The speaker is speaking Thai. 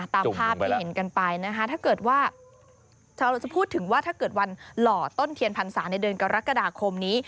ตามภาพที่เห็นกันไปนะคะถ้าเกิดว่าชาวเราจะพูดถึงว่าถ้าเกิดวันหล่อต้นเทียนพรรษาในเดือนกรกฎาคมนี้